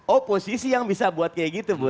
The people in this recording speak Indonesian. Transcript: oposisi yang bisa buat kayak gitu bu